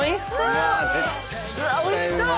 おいしそう！